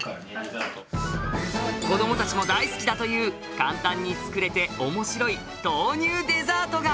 子どもたちも大好きだという簡単に作れて面白い豆乳デザートが。